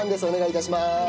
お願い致します。